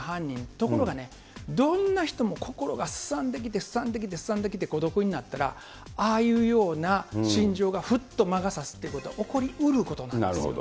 ところがね、どんな人も心がすさんできて、すさんできて、すさんできて、孤独になったら、ああいうような心情がふっと魔が差すということが起こりうることなんですよね。